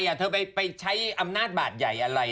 ว่าจะไปทำอะไรอำนาจบาทใหญ่อะไร